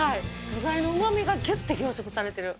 素材のうま味がギュッて凝縮されてる。